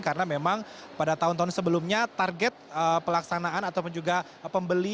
karena memang pada tahun tahun sebelumnya target pelaksanaan ataupun juga pembeli